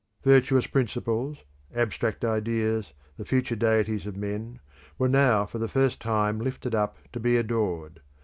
Virtuous principles, abstract ideas, the future Deities of men were now for the first time lifted up to be adored.